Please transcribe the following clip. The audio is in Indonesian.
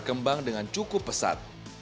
dan berkembang dengan cukup pesat